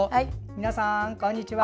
皆さん、こんにちは！